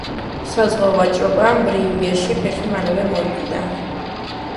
საზღვაო ვაჭრობამ ბრიუგეში ფეხი მალევე მოიკიდა.